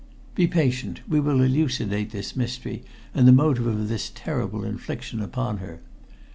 "Be patient; we will elucidate this mystery, and the motive of this terrible infliction upon her.